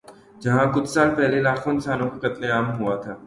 جہاں کچھ سال پہلے لاکھوں انسانوں کا قتل عام ہوا تھا۔